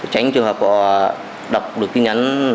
tránh cho họ có đọc được tin nhắn